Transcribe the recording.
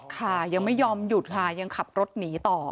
ค่ะยังไม่ยอมหยุดค่ะยังขับรถหนีต่อ